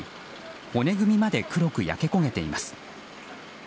骨組みまで黒く焼け焦げています。